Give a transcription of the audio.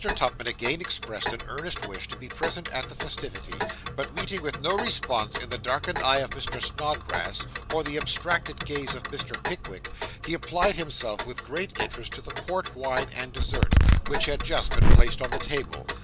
Tupman again expressed an earnest wish to be present at the festivity; but meeting with no response in the darkened eye of Mr. Snodgrass, or the abstracted gaze of Mr. Pickwick, he applied himself with great interest to the port wine and dessert, which had just been placed on the table.